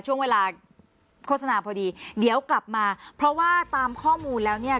ช่วงเวลาโฆษณาพอดีเดี๋ยวกลับมาเพราะว่าตามข้อมูลแล้วเนี่ย